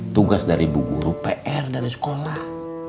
tugas dari ibu guru pr dari sekolah